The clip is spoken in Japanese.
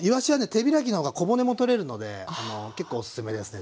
手開きの方が小骨も取れるので結構おすすめですね